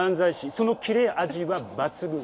その切れ味は抜群。